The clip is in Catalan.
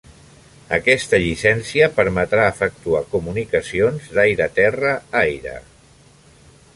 Aquesta llicència permetrà efectuar comunicacions d'aire-terra-aire.